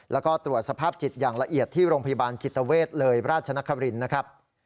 แล้วก็ตรวจสภาพจิตอย่างละเอียดที่โรงพยาบาลจิตเวทเลยราชนครินนะครับ